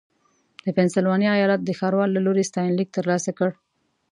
د پنسلوانیا ایالت د ښاروال له لوري ستاینلیک ترلاسه کړ.